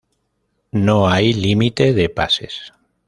No hay límite de pases.